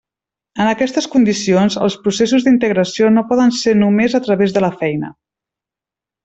En aquestes condicions, els processos d'integració no poden ser només a través de la feina.